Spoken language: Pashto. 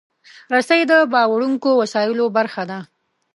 رسۍ د باروړونکو وسایلو برخه ده.